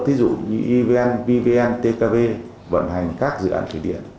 ví dụ như evn pvn tkv vận hành các dự án thủy điện